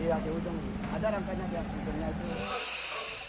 iya di ujung ada rangkanya di ujungnya itu